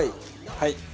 はい。